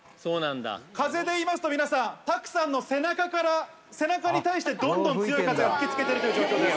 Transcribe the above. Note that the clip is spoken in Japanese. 風でいいますと、皆さん、拓さんの背中から、背中に対してどんどん強い風が吹きつけているという状況です。